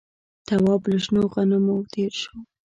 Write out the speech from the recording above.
تواب له شنو غنمو تېر شو.